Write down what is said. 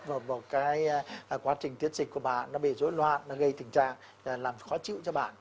và cái quá trình tiết dịch của bạn nó bị rối loạn nó gây tình trạng làm khó chịu cho bạn